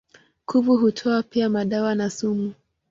Kuvu hutoa pia madawa na sumu.